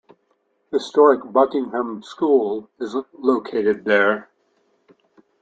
Historic Buckingham School is located there.